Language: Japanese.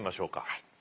はい。